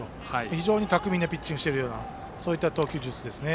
非常に巧みなピッチングをしている投球術ですね。